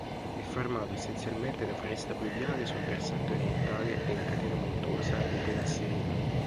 È formato essenzialmente da foresta pluviale sul versante orientale della catena montuosa di Tenasserim.